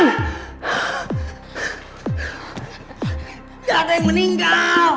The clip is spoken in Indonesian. gak ada yang meninggal